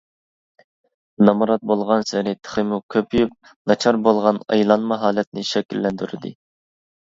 نامرات بولغانسېرى تېخىمۇ كۆپىيىپ ناچار بولغان ئايلانما ھالەتنى شەكىللەندۈردى.